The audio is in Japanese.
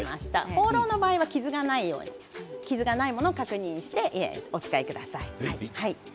ホーローの場合は傷がないものを確認して、お使いください。